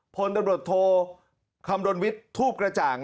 พลตำรวจโทคำรณวิทย์ทูปกระจ่าง